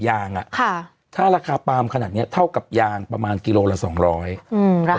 ยางอ่ะค่ะถ้าราคาปาล์มขนาดเนี้ยเท่ากับยางประมาณกิโลละสองร้อยอืม